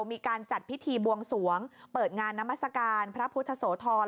มีการจัดพิธีบวงสวงเปิดงานนามัศกาลพระพุทธโสธร